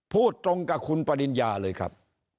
พูดตรงกับคุณปริญญาเลยครับ